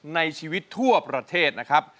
ในชีวิตทั่วประเทศนะครับ